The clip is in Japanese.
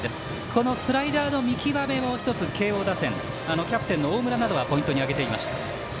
このスライダーの見極めを１つ慶応打線キャプテンの大村などはポイントに挙げていました。